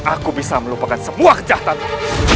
aku bisa melupakan semua kejahatanku